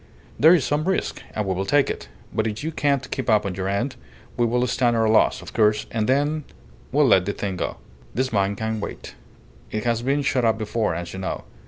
There is some risk, and we will take it; but if you can't keep up your end, we will stand our loss, of course, and then we'll let the thing go. This mine can wait; it has been shut up before, as you know.